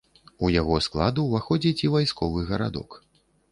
У яго склад уваходзіць і вайсковы гарадок.